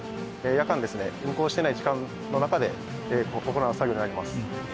夜間ですね運航していない時間の中で行う作業になります。